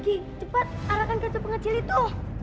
ki cepat alahkan kacau pengacil itu